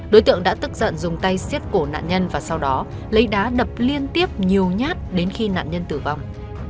đối tượng đã tức giận dùng tay xiết cổ nạn nhân và sau đó lấy đá đập liên tiếp nhiều nhát đến khi nạn nhân tử vong